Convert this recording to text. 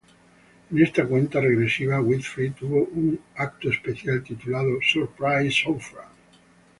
En esta cuenta regresiva Winfrey tuvo un evento especial titulado “Surprise Oprah!